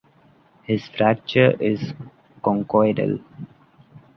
His fracture is conchoidal.